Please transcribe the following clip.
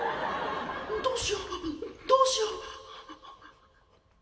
どうしようどうしよう